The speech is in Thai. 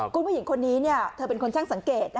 คุณผู้หญิงคนนี้เธอเป็นคนช่างสังเกต